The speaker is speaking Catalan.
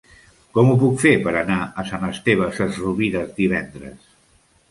Com ho puc fer per anar a Sant Esteve Sesrovires divendres?